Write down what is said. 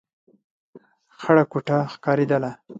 خړه کوټه ښکارېدله.